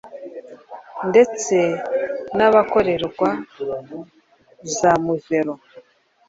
ndetse n’ahakorerwa za muvero